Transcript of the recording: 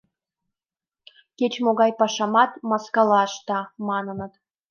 Кеч-могай пашамат маскала ышта!» — маныныт.